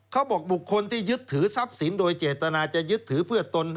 เขาบอกบุคคลที่ยึดถือทรัพย์สินโดยเจตนาจะยึดถือเพื่อตน